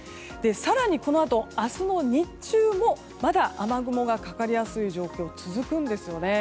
更にこのあと、明日の日中もまだ雨雲がかかりやすい状況が続くんですよね。